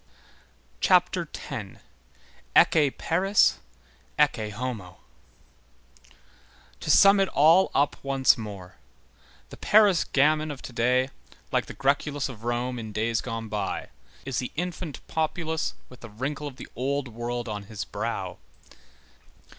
CHAPTER X—ECCE PARIS, ECCE HOMO To sum it all up once more, the Paris gamin of to day, like the græculus of Rome in days gone by, is the infant populace with the wrinkle of the old world on his brow.